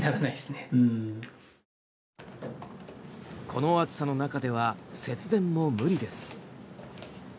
この暑さの中では節電も無理です。